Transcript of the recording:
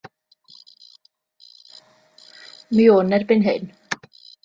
Mi wn erbyn hyn.